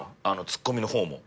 ツッコミの方も。